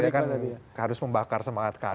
tentu ya kan harus membakar semangat kata